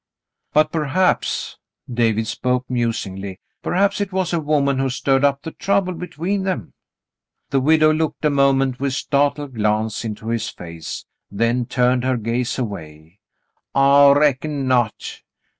"But perhaps —" David spoke musingly — "perhaps 80 The Mountain Girl it was a woman who stirred up the trouble between them." The widow looked a moment with startled glance into his face, then turned her gaze away. *'I reckon not.